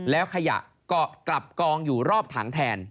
แล้วขยะเกาะกลับกองอยู่รอบถังแทน